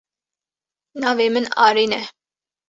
Navê min Arîn e.